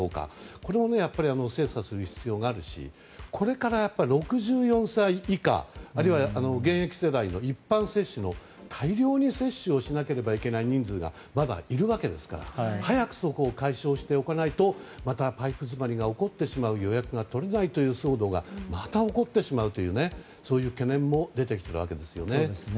これも精査する必要があるしこれから６４歳以下あるいは現役世代の一般接種大量に接種をしなければいけない人数がまだいるわけですから早くそこを解消しておかないとまたパイプ詰まりが起こってしまう予約が取れないという騒動がまた、起こってしまうという懸念も出てきているんですね。